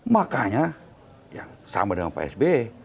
makanya sama dengan pak s b